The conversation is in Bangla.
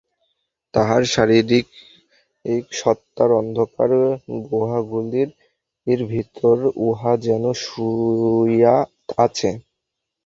তাহার শারীরিক সত্তার অন্ধকার গুহাগুলির ভিতর উহা যেন শুইয়া আছে।